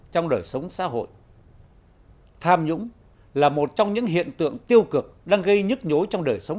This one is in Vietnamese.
tham nhũng là một trong những hiện tượng tiêu cực đang gây nhức nhối trong đời sống